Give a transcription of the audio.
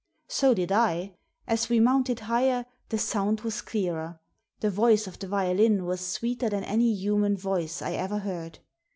So did I. As we mounted higher the sound was clearer. The voice of the violin was sweeter than any human voice I ever heard.